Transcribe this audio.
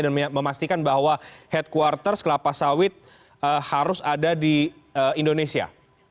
dan memastikan bahwa headquarters kelapa sawit harus ada di indonesia